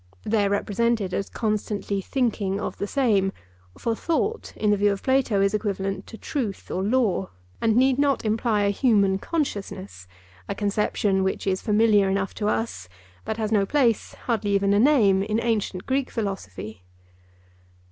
They are represented as constantly thinking of the same; for thought in the view of Plato is equivalent to truth or law, and need not imply a human consciousness, a conception which is familiar enough to us, but has no place, hardly even a name, in ancient Greek philosophy.